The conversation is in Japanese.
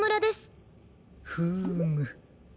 フーム。